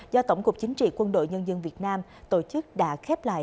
do tổng cục chính trị quân đội nhân dân việt nam tổ chức đã khép lại